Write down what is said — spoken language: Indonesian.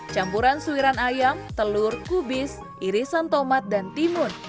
campuran suiran ayam telur kubis irisan tomat dan timun